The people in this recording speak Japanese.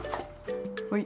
はい。